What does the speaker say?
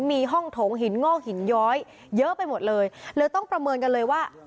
มีห้องโถงหินงอกหินย้อยเยอะไปหมดเลยเลยต้องประเมินกันเลยว่า